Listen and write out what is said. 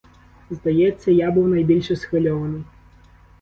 Здається, я був найбільше схвильований.